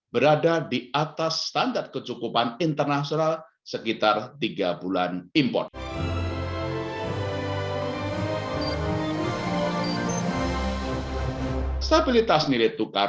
berada di atas standar kecukupan internasional sekitar tiga bulan import